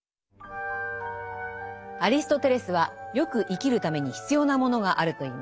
アリストテレスは善く生きるために必要なものがあると言います。